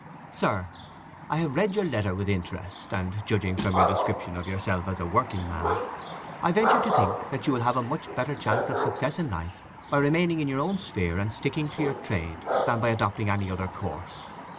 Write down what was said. SIR,—I have read your letter with interest; and, judging from your description of yourself as a working man, I venture to think that you will have a much better chance of success in life by remaining in your own sphere and sticking to your trade than by adopting any other course.